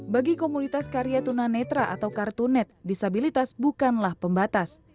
bagi komunitas karya tunanetra atau kartunet disabilitas bukanlah pembatas